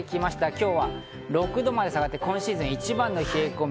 今日は６度まで下がって、今シーズン一番の冷え込み。